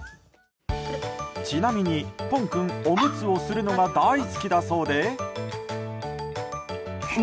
ちなみに、ぽん君おむつをするのが大好きだそうで。